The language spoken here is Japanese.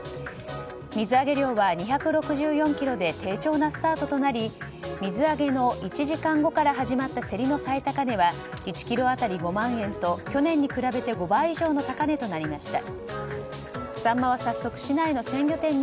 水揚げ量は２６４ｋｇで低調なスタートとなり水揚げの１時間後から始まった競りの最高値は１ｋｇ当たり５万円と去年に比べて５倍以上の高値となりました。